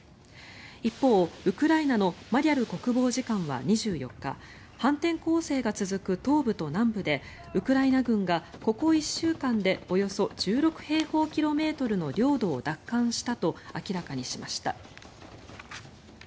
一方、ウクライナのマリャル国防次官は２４日反転攻勢が続く東部と南部でウクライナ軍がここ１週間でおよそ１６平方キロメートルの領土を奪還したと明らかにしました。